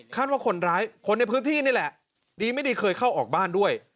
ว่าคนร้ายคนในพื้นที่นี่แหละดีไม่ดีเคยเข้าออกบ้านด้วย